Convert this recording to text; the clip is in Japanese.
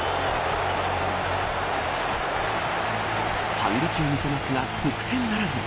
反撃を見せますが得点ならず。